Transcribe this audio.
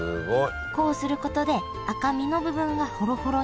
こうすることで赤身の部分はほろほろに。